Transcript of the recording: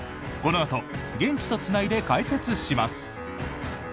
このあと現地とつないで解説します。